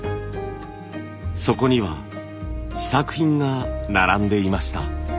そこには試作品が並んでいました。